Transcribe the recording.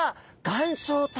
岩礁帯。